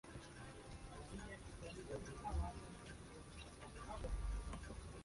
Actualmente tiene dos hijos, Álvaro e Irene.